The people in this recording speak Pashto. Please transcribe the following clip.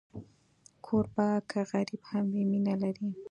کوربه که غریب هم وي، مینه لري.